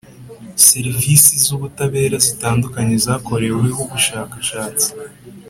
Serivisi z ubutabera zitandukanye zakoreweho ubushakashatsi